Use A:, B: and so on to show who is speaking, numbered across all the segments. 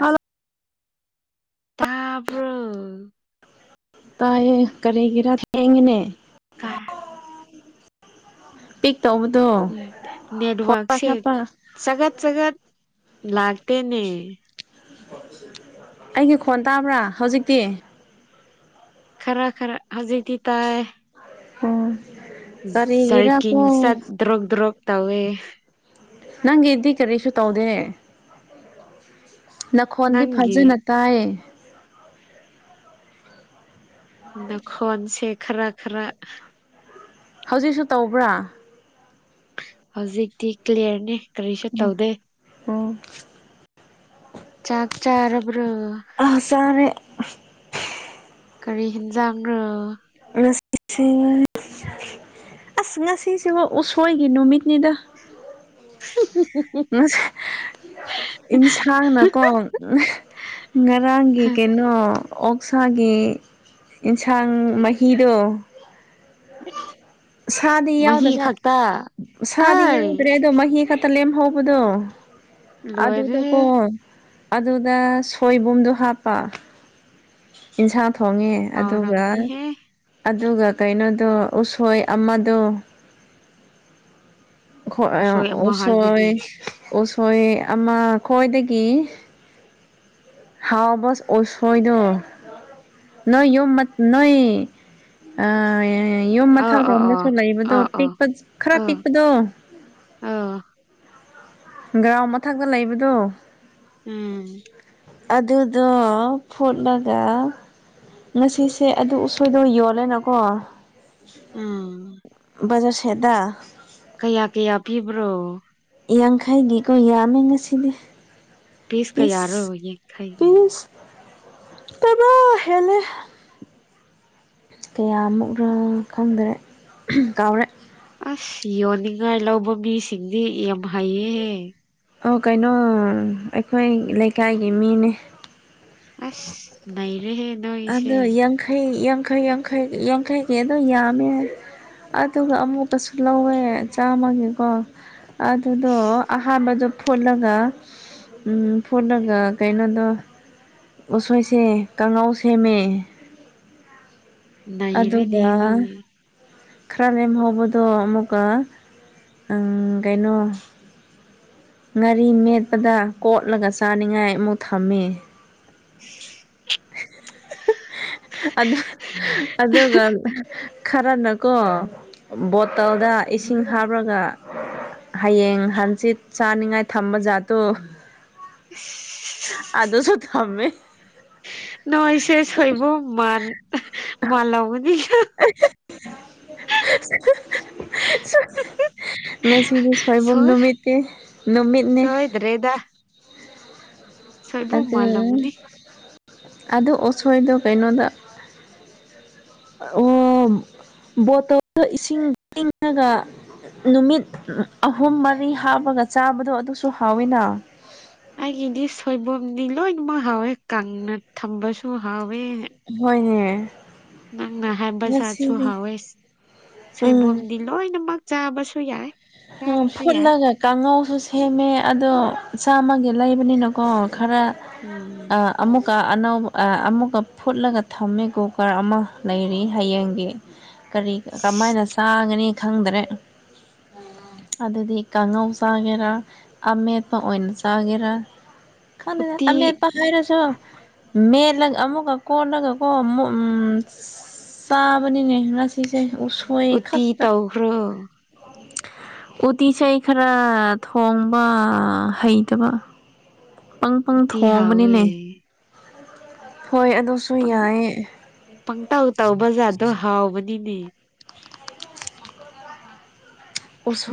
A: hello
B: ꯇꯥꯕ꯭ꯔꯣ
A: ꯇꯥꯏꯌꯦ ꯀꯔꯤꯒꯤꯔ ꯊꯦꯡꯉꯅꯦ
B: ꯀ
A: ꯄꯤꯛ ꯇꯧꯕꯗꯣ
B: ꯎꯝ
A: ꯐꯣꯟ
B: ꯅꯦꯠꯋꯔꯛ ꯁꯦ
A: ꯄꯥꯏꯈꯠꯄ
B: ꯆꯒꯠ ꯆꯒꯠ ꯂꯥꯛꯇꯅꯦ
A: ꯑꯩꯒꯤ ꯈꯣꯟ ꯇꯥꯕ꯭ꯔꯥ ꯍꯧꯖꯤꯛꯇꯤ
B: ꯈꯔ ꯈꯔ ꯍꯧꯖꯤꯗꯤꯤ ꯇꯥꯏ
A: ꯑꯥ
B: ꯖꯔꯀꯤꯡ ꯆꯠ ꯗ꯭ꯔꯣꯛ ꯗ꯭ꯔꯣꯛꯣꯛ ꯇꯧꯋꯦ
A: ꯅꯪꯒꯤꯗꯤ ꯀꯔꯤꯁꯨ ꯇꯧꯗꯦ ꯅꯈꯣꯟꯗꯤ
B: ꯅꯪꯒꯤ
A: ꯐꯖꯅ ꯇꯥꯏꯌꯦ
B: ꯅꯈꯣꯟꯁꯦ ꯈꯔ ꯈꯔ
A: ꯍꯧꯖꯤꯛꯁꯨ ꯇꯧꯕ꯭ꯔꯥ
B: ꯍꯧꯖꯤꯛꯇꯤ ꯀ꯭ꯂꯤꯌꯥꯂꯤꯌꯥꯔꯅꯤ ꯀꯔꯤꯁꯨ ꯇꯧꯗꯦ
A: ꯑꯣ
B: ꯆꯥꯛ ꯆꯥꯔꯕ꯭ꯔꯣ
A: ꯑꯁꯥꯅꯦ
B: ꯀꯔꯤ ꯍꯦꯟꯖꯥꯡꯅꯣ
A: ꯁꯤ ꯑꯁ ꯉꯁꯤꯁꯤꯕꯨ ꯎꯁꯣꯏꯒꯤ ꯅꯨꯃꯤꯠꯅꯤꯗ
B: ꯎ
A: ꯃ ꯌꯦꯟꯁꯥꯡꯅꯀꯣ ꯉꯔꯥꯡꯒꯤ ꯀꯩꯅꯣ ꯑꯣꯛꯁꯥꯒꯤ ꯌꯦꯟꯁꯥꯡ ꯃꯍꯤꯗꯣ ꯁꯥꯗꯤ
B: ꯃꯍꯤ
A: ꯌꯥꯎꯗꯕ
B: ꯈꯛꯇ
A: ꯁꯥꯗꯤ
B: ꯑꯩ
A: ꯌꯥꯎꯗ꯭ꯔꯦ ꯑꯗꯣ ꯃꯍꯤ ꯈꯛꯇ ꯇꯂꯦꯦꯝ ꯍꯧꯕꯗꯣ
B: ꯂꯣꯏꯔꯦꯍꯦ
A: ꯑꯗꯨꯗꯀꯣ ꯑꯗꯨꯗ ꯁꯣꯏꯕꯨꯝꯗꯣ ꯍꯥꯞꯄ ꯌꯦꯟꯁꯥꯡ ꯊꯣꯡꯉꯦ ꯑꯗꯨꯒ
B: ꯍꯥꯎꯔꯝꯅꯤꯍꯦ
A: ꯑꯗꯨꯒ ꯀꯩꯅꯣꯗꯣ ꯎꯁꯣꯏ ꯑꯃꯗꯣ ꯈ
B: ꯎꯁꯣꯏ ꯑꯃ ꯍꯥꯏꯕꯗꯤ
A: ꯑꯣꯁꯣꯏ ꯎꯁꯣꯏ ꯑꯃ ꯈ꯭ꯋꯥꯗꯒꯤ ꯍꯥꯎꯋꯥꯕꯁ ꯑꯣꯁꯣꯏꯗ ꯅꯣꯏ ꯌ ꯅꯣꯏ ꯑ ꯌꯨꯝ
B: ꯑꯥ ꯑꯥ
A: ꯃꯊꯛꯔꯣꯝꯗꯁꯨ
B: ꯑꯥ
A: ꯂꯩꯕꯗꯣ
B: ꯑꯥ ꯑꯥ
A: ꯄꯤꯛꯄ ꯈꯔ
B: ꯑꯥ
A: ꯄꯤꯛꯄꯗꯣ
B: ꯑ
A: ꯒ꯭ꯔꯥꯎ ꯃꯊꯛꯇ ꯂꯩꯕꯗꯣ
B: ꯎꯝ
A: ꯑꯗꯨꯗꯣ ꯐꯨꯠꯂꯒ ꯉꯁꯤꯁꯦ ꯑꯗꯨ ꯎꯁꯣꯏꯗꯧ ꯌꯣꯜꯂꯦꯅꯀꯣ
B: ꯎꯝ
A: ꯖꯔ ꯁꯦꯗꯥ
B: ꯀꯌꯥ ꯀꯌꯥ ꯄꯤꯕ꯭ꯔꯣ
A: ꯌꯥꯡꯈꯩꯒꯤꯀꯣ ꯌꯥꯝꯃꯦ ꯉꯁꯤꯗꯤ
B: ꯄꯤꯁ ꯀꯌꯥꯔꯣ ꯌꯦꯡꯈꯩ
A: ꯇꯕꯥ ꯍꯦꯟꯅ ꯀꯌꯥꯃꯨꯛꯔ ꯈꯪꯗꯔꯦ ꯀꯥꯎꯔꯦ
B: ꯑꯁ ꯌꯣꯟꯅꯤꯡꯉꯥꯏ ꯂꯧꯕ ꯃꯤꯁꯤꯡꯗꯤ ꯌꯥꯝ ꯍꯩꯌꯦꯍꯦ
A: ꯑꯣ ꯀꯩꯅꯣ ꯑꯩꯈꯣꯏ ꯂꯩꯀꯥꯏꯒꯤ ꯃꯤꯅꯦ
B: ꯑꯁ ꯏꯔ
A: ꯑꯗꯣ ꯌꯥꯡꯈꯩ ꯌꯥꯡꯈꯩ ꯌꯥꯡꯈꯩ ꯌꯥꯡꯈꯩ ꯀ ꯑꯗꯨꯣ ꯌꯥꯝꯃꯦ ꯑꯗꯨꯒ ꯑꯃꯨꯀꯁꯨ ꯂꯧꯋꯦ ꯆꯥꯝꯃꯒꯤꯀꯣ ꯑꯗꯨꯗꯣ
B: ꯑꯁ
A: ꯑꯍꯥꯟꯕꯗ ꯐꯣꯠꯂꯒ ꯐꯣꯠꯂꯒ ꯀꯩꯅꯣꯗꯣ ꯎꯁꯣꯏꯁꯦ ꯀꯥꯡꯉꯥꯎ ꯁꯦꯝꯃꯦ
B: ꯅꯩꯔꯦꯅꯦ
A: ꯑꯗꯨꯒ
B: ꯅꯣꯏ
A: ꯈꯔ ꯂꯦꯝꯍꯧꯕꯗꯣ ꯑꯃꯨꯛꯀ ꯀꯩꯅꯣ ꯉꯥꯔꯤ ꯃꯦꯠꯄꯗ ꯀꯣꯠꯂꯒ ꯆꯥꯅꯤꯡꯉꯥꯏ ꯑꯃꯨꯛ ꯊꯝꯃꯤ
B: [unintelligible]
A: ꯑ ꯑꯗꯨꯒ ꯈꯔꯅꯀꯣ ꯕꯣꯇꯜꯗ ꯏꯁꯤꯡ ꯍꯥꯞꯂꯒ ꯍꯌꯦꯡ ꯍꯪꯆꯤꯠ ꯆꯥꯅꯤꯡꯉꯥꯏ ꯊꯝꯕ ꯖꯥꯠꯇꯨ
B: ꯑꯁ
A: ꯑꯗꯣꯁꯨ ꯊꯝꯃꯦ
B: ꯅꯣꯏꯁꯦꯁ ꯍꯣꯏꯕꯣ ꯃꯥꯥꯟ ꯃꯥꯂ ꯃꯅꯤ
A: ꯅꯁꯤꯗꯤ ꯁꯣꯏꯕ
B: ꯁꯣꯏ
A: ꯅꯨꯃꯤꯠꯇꯩ ꯅꯨꯃꯤꯠꯅꯦ
B: ꯁꯣꯏꯗ꯭ꯔꯦꯗ ꯁꯣꯏꯕꯨꯝ
A: ꯑꯗ
B: ꯃꯥꯜꯂꯝꯒꯅꯤ
A: ꯑꯗ ꯑꯁꯣꯏꯗ ꯀꯥꯏꯩꯅꯣꯗ ꯕꯣꯇꯜꯗ ꯏꯁꯤꯡ ꯏꯪꯉꯒ ꯅꯨꯃꯤꯠ ꯑꯍꯨꯝ ꯃꯔꯤ ꯍꯥꯞꯄꯒ ꯆꯥꯕꯗꯣ ꯑꯗꯨꯁꯨ ꯍꯥꯎꯋꯤꯅ
B: ꯑꯩꯒꯤꯗꯤ ꯁꯣꯏꯕꯨꯝꯅꯤ ꯂꯣꯏꯅꯃꯛ ꯍꯥꯎꯋꯦ ꯀꯪꯅ ꯊꯝꯕꯁꯨ ꯍꯥꯎꯋꯦ
A: ꯍꯅꯦ
B: ꯅꯪꯅ ꯍꯥꯏ ꯕꯖꯥꯔꯠꯁꯨ ꯍꯥꯎꯋꯦ ꯁꯣꯏꯕꯝꯗꯤ ꯂꯣꯏꯅꯃꯛ ꯆꯥꯕꯁꯨ ꯌꯥꯏ
A: ꯎ
B: ꯆꯥꯔꯁꯨ ꯌꯥꯏ
A: ꯐꯨꯠꯂꯒ ꯀꯥꯡꯉꯧꯁꯨ ꯁꯦꯝꯃꯦ ꯑꯗꯣ ꯆꯥꯝꯃꯒꯤ ꯂꯩꯕꯅꯤꯅꯀꯣ ꯈꯔ
B: ꯎꯝ
A: ꯑꯃꯨꯛ ꯀꯨꯀ ꯑꯅꯧꯕ ꯑꯃꯨꯛꯀ ꯐꯨꯠꯂꯒ ꯊꯝꯃꯤ ꯀꯨꯀꯔ ꯑꯃ ꯂꯩꯔꯤ ꯍꯌꯦꯡꯒꯤ ꯀꯔꯤ ꯀꯃꯥꯏꯅ ꯆꯥꯒꯅꯤ ꯈꯪꯗ꯭ꯔꯦ ꯑꯗꯨꯗꯤ ꯀꯥꯡꯉꯧ ꯆꯥꯒꯦꯔꯥ ꯑꯃꯦꯠꯄ ꯑꯣꯏꯅ ꯆꯥꯒꯦꯔꯥ ꯈꯂꯗ
B: ꯎꯇꯤ
A: ꯑꯃꯠ ꯄ ꯍꯥꯏꯔꯁꯨꯣ ꯃꯦꯂ ꯑꯃꯨꯛꯀ ꯀꯣꯟꯅꯒꯀꯣ ꯆꯥꯕꯅꯤꯅꯦ ꯉꯁꯤꯁꯦ ꯎꯁꯣꯏ
B: ꯎꯇꯤ
A: ꯈꯥꯛꯇ
B: ꯇꯧꯈ꯭ꯔꯣ
A: ꯎꯇꯤꯤꯁ ꯈꯔ ꯊꯣꯡꯕ ꯍꯩꯇꯕ ꯄꯪ ꯄꯪ
B: ꯎꯇꯤ ꯍꯥꯎꯋꯦ
A: ꯊꯣꯡꯕꯅꯤꯅꯦ ꯍꯣꯏ ꯑꯗꯨꯁꯨ
B: ꯄ
A: ꯌꯥꯏꯌꯦ
B: ꯄꯪꯇꯥꯎ ꯇꯥꯎ ꯕ ꯖꯥꯔꯗꯣ ꯍꯥꯎꯕꯅꯤꯅꯦ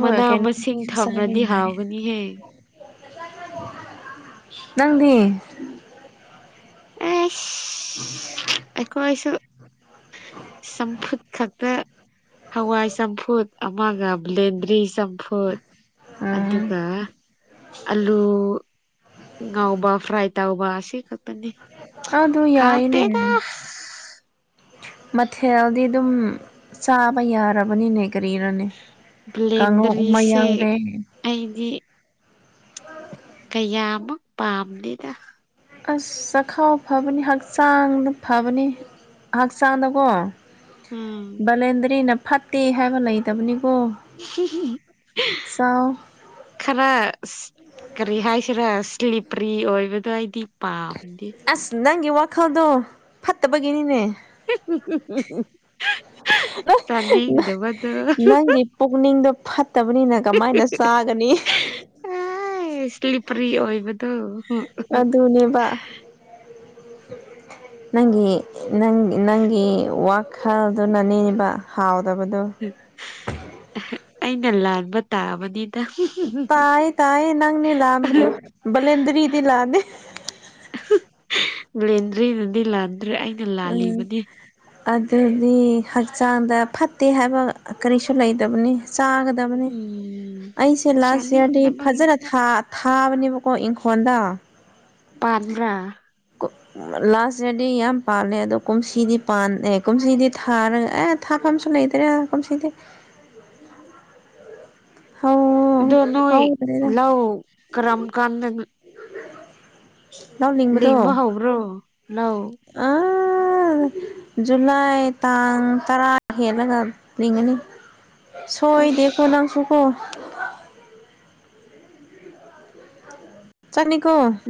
B: ꯃꯅꯥ ꯃꯁꯤꯡ
A: ꯀꯩꯅꯩꯅꯣꯁꯨꯁ
B: ꯊꯝꯔꯗꯤ
A: ꯌꯥ
B: ꯍꯥꯎꯒꯅꯤꯍꯦ
A: ꯅꯪꯗꯤ
B: ꯑꯩꯈꯣꯏꯁꯨ ꯁꯄꯠꯛꯇ ꯍꯋꯥꯏ ꯆꯝꯐꯨꯠ ꯑꯃꯒ ꯕ꯭ꯂꯦꯟꯗ꯭ꯔꯤ ꯆꯝꯐꯨꯠ
A: ꯎꯝ
B: ꯑꯗꯨꯒ ꯑꯂꯨ ꯉꯎꯕ ꯐ꯭ꯔꯥꯏ ꯇꯎꯕ ꯁꯤꯈ ꯇꯅꯤ
A: ꯑ ꯑꯗꯨ ꯌꯥꯏꯅꯦ ꯃꯊꯦꯜꯗꯤ ꯑꯗꯨꯝ ꯆꯥꯕ ꯌꯥꯔꯕꯅꯤꯅꯦ ꯀꯔꯤꯔꯥꯅꯤ ꯀꯥꯉꯧ ꯑꯃ
B: ꯕ꯭ꯂꯦꯟꯗꯔꯤꯁꯦ
A: ꯌꯥꯎꯔ‌ꯦ
B: ꯀꯌꯥꯃ ꯄꯥꯝꯂꯤꯅ
A: ꯑꯥꯁ ꯆꯈꯥꯎ ꯐꯕꯅꯤ ꯍꯛꯆꯥꯡꯗ ꯐꯕꯅꯤ ꯍꯛꯆꯥꯡꯗꯀꯣ
B: ꯎꯝ
A: ꯕꯥꯂꯦꯟꯗꯔꯤꯅ ꯐꯠꯇꯦ ꯍꯥꯏꯕ ꯂꯩꯇꯕꯅꯤ ꯆꯥꯎ
B: ꯈꯔ ꯀꯔꯤ ꯍꯥꯏꯁꯤꯔ ꯁ꯭ꯂꯤꯞꯄ꯭ꯔꯤ ꯑꯣꯏꯕꯗꯣ ꯑꯩꯗꯤ ꯄꯥꯝ
A: ꯑꯥꯁ ꯅꯪꯒꯤ ꯋꯥꯈꯜꯗꯣ ꯐꯠꯇꯕꯒꯤꯅꯤꯅꯦ
B: ꯁꯥꯗꯤ ꯗꯤꯕꯗ
A: ꯅꯪꯒꯤ ꯄꯨꯛꯅꯤꯡꯗꯣ ꯐꯥꯠꯇꯕꯅꯤꯅ ꯀꯃꯥꯏꯅ ꯆꯥꯒꯅꯤ
B: ꯁ꯭ꯂꯤꯞꯄ꯭ꯔꯤ ꯑꯣꯏꯕꯗꯣ
A: ꯑꯗꯨꯅꯦꯕ ꯅꯪꯒꯤ ꯅꯪꯒꯤ ꯋꯥꯈꯜꯗꯨꯅꯅꯦꯕ ꯍꯥꯎ ꯇꯕꯥꯗ‌ꯣ
B: ꯑꯩꯅ ꯂꯥꯟꯕ ꯇꯥꯕꯗꯤ
A: ꯇꯥꯌꯦ ꯇꯥꯌꯦ ꯅꯪꯅꯤ ꯂꯥꯟꯕꯗ‌ꯣ ꯂꯦꯟꯗꯔꯤꯗꯤ ꯂꯥꯅꯦ [unintelligible]
B: ꯂꯦꯟꯗ꯭ꯔꯤꯅꯗꯤ ꯂꯥꯟꯗ꯭ꯔꯔꯤ ꯑꯩꯅ
A: ꯎꯝ
B: ꯂꯥꯜꯂꯤꯕꯅꯦ
A: ꯑꯗꯨꯗꯤ ꯍꯛꯆꯥꯡꯗ ꯐꯠꯇꯦ ꯍꯥꯏꯕ ꯀꯔꯤꯁꯨ ꯂꯩꯗꯕꯅꯤ ꯆꯥꯒꯗꯕꯅꯤ
B: ꯎꯝ
A: ꯑꯩꯁꯦ ꯂꯥꯁ ꯏꯌꯥꯔꯗꯤ ꯐꯖꯅ
B: ꯆꯥꯅꯤꯡꯗꯕꯒꯤꯅꯤꯗ
A: ꯊꯥꯕ ꯇꯅꯦꯕꯀꯣ ꯏꯪꯈꯣꯜꯗ
B: ꯄꯥꯟꯕ꯭ꯔꯥ
A: ꯂꯥꯁꯇꯗꯤ ꯌꯥꯝ ꯄꯥꯜꯂꯦ ꯑꯗꯣ ꯀꯨꯝꯁꯤꯗꯤ ꯀꯨꯝꯁꯤꯗꯤ ꯊꯥꯔꯒ ꯑꯦ ꯊꯥ ꯐꯝꯁꯨ ꯂꯩꯇꯔꯦ ꯀꯁꯤ
B: ꯑꯗꯣ ꯅꯣꯏ
A: ꯍꯧꯗ꯭ꯔꯦꯗ
B: ꯂ ꯀꯔꯝ ꯀꯥꯟꯗ
A: ꯂꯥꯎꯅꯤꯡꯕꯗꯣ
B: ꯂꯤꯡꯕ ꯍꯧꯕ꯭ꯔꯣ ꯂꯧ
A: ꯑꯥ ꯖꯨꯂꯥꯏ ꯇꯥꯡ ꯇꯔꯥ ꯍꯦꯜꯂꯒ ꯂꯤꯡꯒꯅꯤ ꯁꯣꯏ ꯗꯦꯀꯣ
B: ꯑꯁ
A: ꯅꯪꯁꯨꯣꯛꯀꯣ ꯆꯅꯤ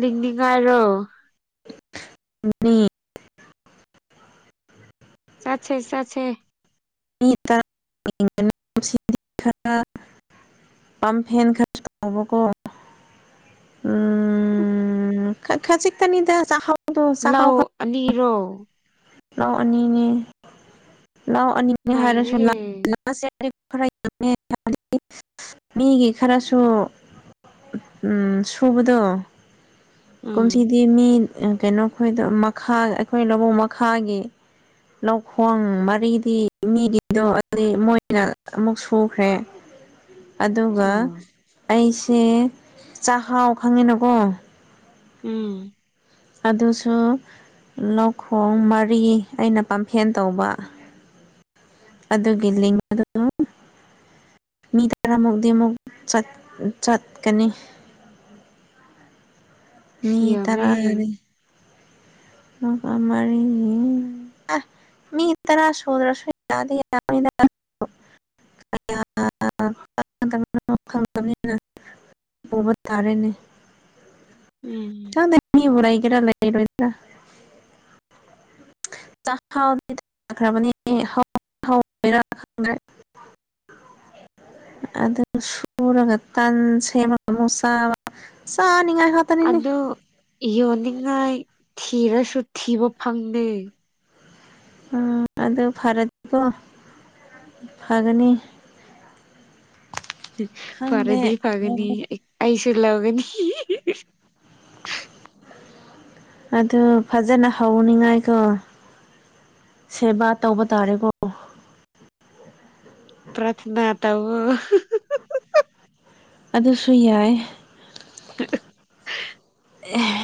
B: ꯂꯤꯡꯗꯤꯉꯥꯏꯔꯣ
A: ꯑꯅꯤ
B: ꯁꯥꯦ ꯁꯥꯦ
A: ꯃꯤ ꯇ ꯁꯤꯥ ꯄꯝꯐꯦꯟ ꯈꯥꯕꯀꯣ ꯎꯝ ꯈꯁꯤ ꯇꯅꯤꯗ ꯆ
B: ꯂꯧꯥꯎ ꯑꯅꯤꯔꯣ
A: ꯂꯥꯎ ꯑꯅꯤꯅꯦ ꯂꯥꯎ ꯑꯅꯤꯅꯦ ꯍꯥꯏꯔꯁꯨ
B: ꯅꯩꯔꯦꯍꯦ
A: ꯄꯔ ꯃꯤꯒꯤ ꯈꯔꯁꯨ ꯁꯨꯕꯗꯣ
B: ꯎꯝ
A: ꯀꯨꯝꯁꯤꯗꯤ ꯃꯤ ꯀꯩꯅꯣ ꯑꯩꯈꯣꯏꯗ ꯃꯈꯥ ꯑꯩꯈꯣꯏ ꯂꯧꯕꯨꯛ ꯃꯈꯥꯒꯤ ꯂꯧꯈꯣꯡ ꯃꯔꯤꯗꯤ ꯃꯤꯒꯤꯗꯣ ꯑꯗꯨ ꯃꯣꯏꯅ ꯑꯃꯨꯛ ꯁꯨꯈ꯭ꯔꯦ ꯑꯗꯨꯒ
B: ꯑꯣ
A: ꯑꯩꯁꯦ ꯆꯥꯛꯍꯥꯎ ꯈꯪꯉꯤꯅꯀꯣ
B: ꯎꯝ
A: ꯑꯗꯨꯁꯨ ꯂꯧꯈꯣꯡ ꯃꯔꯤ ꯑꯩꯅ ꯄꯥꯝꯐꯦꯟ ꯇꯧꯕ ꯑꯗꯨꯒꯤ ꯂꯤꯡꯑꯗꯨ ꯃꯤ ꯇꯔꯥꯃꯨꯛꯇꯤ ꯑꯃꯨꯛ ꯆꯠ ꯆꯠꯀꯅꯤ ꯃꯤ ꯇꯔꯥ ꯔꯤ
B: ꯌꯥꯝꯃꯦꯍꯦ
A: ꯃ ꯃꯔꯤ [unintelligible] ꯃꯤ ꯇꯔꯥ ꯁꯨꯗ꯭ꯔꯁꯨ ꯌꯥꯗꯤ ꯌꯥꯅꯤꯗ [unintelligible] ꯄꯨꯕ ꯇꯥꯔꯦꯅꯦ
B: ꯎꯝ
A: ꯆꯗ ꯏꯌꯨ ꯔꯩꯒꯦꯔ ꯂꯩꯔꯣꯏꯔ ꯆꯥ ꯈ [unintelligible] ꯪ [unintelligible] ꯗ꯭ꯔꯦ ꯑꯗ ꯁꯨꯔꯒ ꯇꯟꯁꯦꯃ ꯃꯨꯛ ꯆꯥꯕ ꯆꯥ ꯅꯤ ꯉꯥꯏꯍ ꯇꯅꯤꯅꯦ
B: ꯑꯗꯣ ꯌꯣꯟꯅꯤꯡꯉꯥꯏ ꯊꯤꯔꯁꯨ ꯊꯤꯕ ꯐꯪꯗꯦ
A: ꯎꯝ ꯑꯗꯨ ꯐꯔꯠꯇꯤꯀꯣ ꯐꯒꯅꯤ ꯈꯪꯗꯦ
B: ꯐꯔꯗꯤ ꯐꯒꯅꯤ
A: ꯂꯧꯕꯨꯛ
B: ꯑꯩꯁꯨ ꯂꯧꯒꯅꯤ ꯍꯤ ꯍꯤ ꯍꯤ ꯍꯤ
A: ꯑꯗꯨ ꯐꯖꯅ ꯍꯧꯅꯤꯡꯉꯥꯏꯀꯣ ꯁꯦꯕꯥ ꯇꯧꯕ ꯇꯥꯔꯦꯒꯣ
B: ꯄ꯭ꯔꯊꯅꯥ ꯇꯧꯑꯣ
A: ꯑꯗꯨꯁꯨ ꯌꯥꯏ
B: [inaudible]
A: ꯑꯦ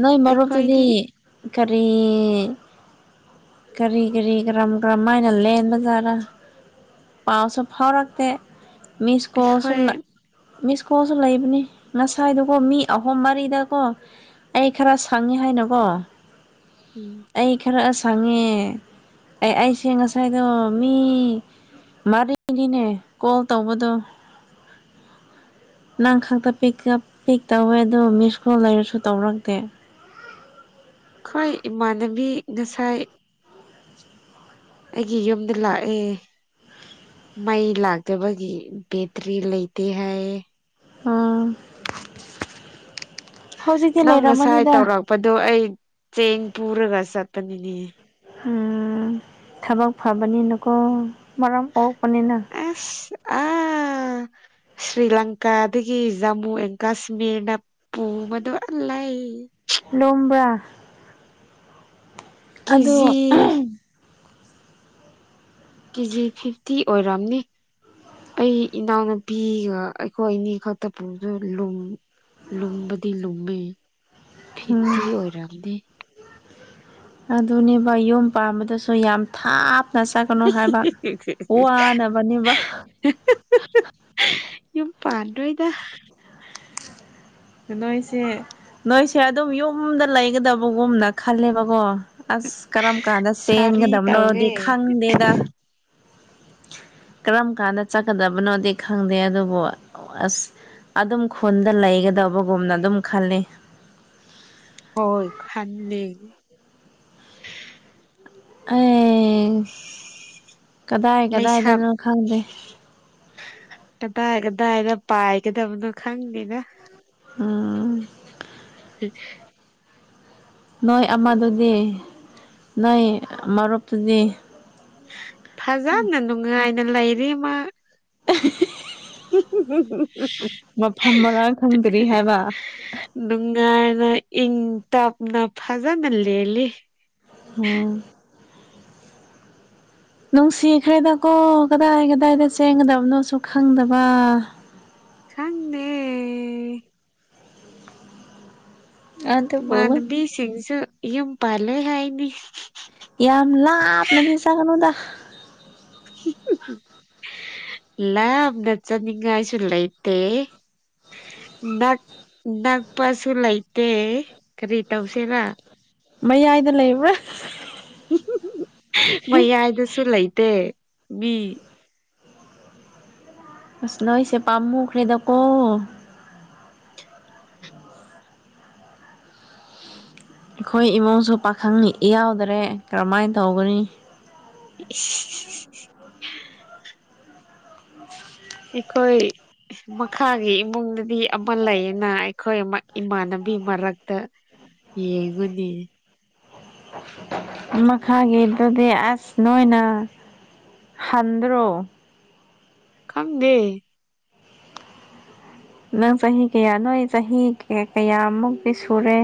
A: ꯅꯣꯏ ꯃꯔꯨꯞꯇꯨꯗꯤ
B: ꯑꯩꯈꯣꯏꯗꯤ
A: ꯀꯔꯤ ꯀꯔꯤ ꯀꯔꯤ ꯀ꯭ꯔꯝ ꯀ꯭ꯔꯝ ꯃꯥꯏꯅ ꯂꯦꯟꯕ ꯖꯥꯔꯥ ꯄꯥꯎꯁꯨ ꯐꯥꯎꯔꯛꯇꯦ ꯃꯤꯁ ꯀꯣꯜ ꯁꯨ
B: ꯑꯩꯈꯣꯏ
A: ꯂꯥ ꯃꯤꯁ ꯀꯣꯜꯁꯨ ꯂꯩꯕꯅꯤ ꯉꯁꯥꯏꯗꯨꯀꯣ ꯃꯤ ꯑꯍꯨꯝ ꯃꯔꯤꯗꯀꯣ ꯑꯩ ꯈꯔ ꯁꯪꯉꯦ ꯍꯥꯏꯅꯀꯣ
B: ꯎꯝ
A: ꯑꯩ ꯈꯔ ꯁꯪꯉꯦ ꯑꯩ ꯑꯩꯁꯦ ꯉꯁꯥꯏꯗꯣ ꯃꯤ ꯃꯥꯗꯤ ꯗꯤꯅꯦ ꯀꯣꯜ ꯇꯧꯕꯗꯣ ꯅꯪ ꯈꯛꯇ ꯄꯤꯛꯎꯞ ꯄꯤꯛ ꯇꯧꯋꯦ ꯑꯗꯣ ꯃꯤꯁ ꯀꯣꯜ ꯂꯩꯔꯁꯨ ꯇꯧꯔ ꯇꯦ
B: ꯈꯣꯏ ꯏꯃꯥꯟꯅꯕꯤ ꯉꯁꯥꯏ ꯑꯩꯒꯤ ꯌꯨꯝꯗ ꯂꯥꯛꯑꯦ ꯃꯩ ꯂꯥꯛꯇꯕꯒꯤ ꯕꯦꯇ꯭ꯔꯤ ꯂꯩꯇꯦ ꯍꯥꯏꯌꯦ
A: ꯑꯣꯥ
B: ꯅꯪ ꯉꯁꯥꯏ ꯇꯧꯔꯛꯄꯗꯣ ꯑꯩ ꯆꯦꯡ ꯄꯨꯔꯒ ꯆꯠꯄꯅꯤꯅꯦ
A: ꯎꯝ ꯊꯕꯛ ꯐꯕꯅꯤꯅꯀꯣ ꯃꯔꯝ ꯑꯣꯛꯄꯅꯤꯅ
B: ꯑꯁ ꯑ ꯁ꯭ꯔꯤ ꯂꯪꯀꯥꯗꯒꯤ ꯖꯃꯨ ꯑꯦꯟ ꯀꯥꯁꯃꯤꯔꯗ ꯄꯨꯕ ꯃꯗꯣ ꯂꯩ
A: ꯂꯨꯝꯕ꯭ꯔꯥ ꯑꯗꯣ
B: ꯀꯦꯖꯤ
A: ꯑꯍꯝ
B: ꯀꯦꯖꯤ ꯐꯤꯞꯇꯤ ꯑꯣꯏꯔꯝꯅꯤ ꯑꯩ ꯏꯅꯥꯎꯅꯨꯄꯤꯒ ꯑꯩꯈꯣꯏ ꯑꯅꯤ ꯈꯛꯇ ꯄꯨꯗꯨ ꯂꯨꯝ ꯂꯨꯝꯕꯗꯤ ꯂꯨꯝꯃꯤ
A: ꯎꯝ
B: ꯐꯤꯇꯤ ꯑꯣꯏꯔꯝꯅꯤ
A: ꯑꯗꯨꯅꯦꯕ ꯌꯨꯝ ꯄꯥꯟꯕꯝꯕꯗꯁꯨ ꯌꯥꯝ ꯊꯥꯞ ꯅ ꯆꯠꯀꯅꯨ ꯍꯥꯏꯕ ꯋꯥꯅꯕꯅꯦꯕ [unintelligible]
B: ꯄꯥꯗꯣꯏꯗ
A: ꯎ ꯅꯣꯏꯁꯦ ꯅꯣꯏꯁꯦ ꯑꯗꯨꯝ ꯌꯨꯝꯗ ꯂꯩꯒꯗꯕꯒꯨꯝꯅ ꯈꯜꯂꯦꯕꯀꯣ ꯑꯁ ꯀꯔꯝ ꯀꯥꯟꯗ
B: ꯁꯥꯔꯤ
A: ꯆꯦꯟꯒꯗꯕꯅꯣꯗꯤ
B: ꯇꯧꯋꯦ
A: ꯈꯪꯗꯦꯗ ꯀꯔꯝ ꯀꯥꯟꯗ ꯆꯠꯀꯗꯕꯅꯣꯗꯤ ꯈꯪꯗꯦ ꯑꯗꯨꯕꯨ ꯑꯁ ꯑꯗꯨꯝ ꯈꯨꯟꯗ ꯂꯩꯒꯗꯕꯒꯨꯝꯅ ꯑꯗꯨꯝ ꯈꯜꯂꯤ
B: ꯍꯣꯏ ꯈꯥꯟꯂꯤ
A: ꯑꯦ ꯀꯗꯥꯏ
B: ꯂꯩꯁꯥꯞ
A: ꯀꯗꯥꯏꯗꯅꯣ ꯈꯪꯗꯦ
B: ꯀꯗꯥꯏ ꯀꯗꯥꯏꯗ ꯄꯥꯏꯒꯗꯕꯅꯣ ꯈꯪꯗꯦꯅ
A: ꯎ
B: [unintelligible]
A: ꯅꯣꯏ ꯑꯃꯗꯨꯗꯤ ꯅꯣꯏ ꯃꯔꯨꯞꯇꯨꯗꯤ
B: ꯐꯖꯅ ꯅꯨꯡꯉꯥꯏꯅ ꯂꯩꯔꯤꯃ
A: ꯃꯐꯝ ꯃꯔꯥꯡ ꯈꯪꯗ꯭ꯔꯤ ꯍꯥꯏꯕ
B: ꯅꯨꯡꯉꯥꯏꯅ ꯏꯪ ꯇꯞꯅ ꯐꯖꯅ ꯂꯩꯜꯂꯤ
A: ꯍ ꯅꯨꯡꯁꯤꯈ꯭ꯔꯦꯗꯀꯣ ꯀꯗꯥꯏ ꯀꯗꯥꯏꯗ ꯆꯦꯟꯒꯗꯕꯅꯣꯁꯨ ꯈꯪꯗꯕ
B: ꯆꯗꯦ
A: ꯑꯗꯨꯕꯨ
B: ꯃꯥꯟꯕꯤꯁꯤꯡꯁꯨ ꯌꯨꯝ ꯄꯥꯜꯂꯦ ꯍꯥꯏꯅꯤ
A: ꯌꯥꯝ ꯂꯥꯛꯞꯅꯗꯤꯁꯒꯅꯗ
B: ꯏꯅ ꯆ ꯅꯤꯡꯉ ꯀꯥꯏꯁꯨꯂ ꯏꯠꯇꯦ ꯗꯠ ꯅꯪ ꯄꯁꯨ ꯂꯩꯥꯏꯇ ꯈꯔꯤ ꯇꯧꯁꯦꯅ
A: ꯃꯩ ꯍꯥꯏꯗꯂ ꯏꯕ꯭ꯔꯥ
B: ꯃꯌꯥꯏꯗꯁꯨ ꯂꯩꯇꯦ ꯃꯤ
A: ꯁꯅꯣꯏꯁꯦ ꯄꯥꯃꯨꯈꯂꯗꯀꯣ ꯑꯩꯈꯣꯏ ꯏꯃꯨꯡꯁꯨ ꯄꯥꯈꯪꯅꯤ ꯏ ꯌꯥꯎꯗꯔꯦ ꯀꯔꯝꯍꯥꯏꯅ ꯇꯧꯒꯅꯤ
B: ꯎ ꯑꯩꯈꯣꯏ ꯃꯈꯥꯒꯤ ꯏꯃꯨꯡꯗꯗꯤ ꯑꯃ ꯂꯩꯌꯦꯅ ꯑꯩꯈꯣꯏ ꯏꯃꯥꯟꯅꯅꯕ ꯑꯗꯨ ꯃꯔꯛꯇ ꯌꯦꯡꯉꯨꯅꯤ
A: ꯃꯈꯈꯥꯒꯤꯦ ꯇꯗꯤ ꯑꯁꯅꯣꯏꯅ ꯍꯟꯗ꯭ꯔ
B: ꯈꯪꯗꯦ
A: ꯅꯪ ꯆꯍꯤ ꯀꯌꯥ ꯅꯣꯏ ꯆꯍꯤ ꯀꯌꯥꯃꯨꯛꯇꯤ ꯁꯨꯔꯦ